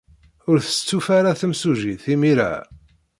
Ur testufa ara temsujjit imir-a.